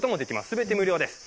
全て無料です。